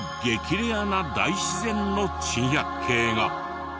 レアな大自然の珍百景が。